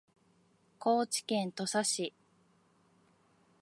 高知県土佐市